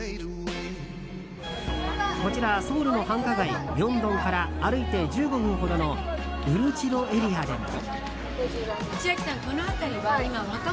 こちら、ソウルの繁華街ミョンドンから歩いて１５分ほどのウルチロエリアでも。